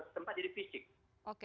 tempat jadi fisik